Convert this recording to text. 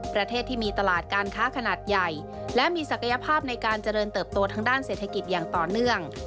ประเทศที่มีตลาดการค้าขนาดใหญ่และมีศักยภาพในการเจริญเติบโตทางด้านเศรษฐกิจอย่างต่อเนื่อง